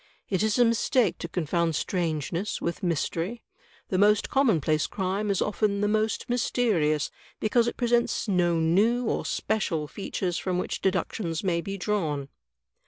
It is a mistake to confound strangeness with mystery. The most commonplace crime is often the most mysterious because it presents no new or special features from which deductions may be drawn.